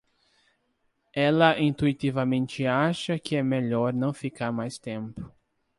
Ela intuitivamente acha que é melhor não ficar mais tempo.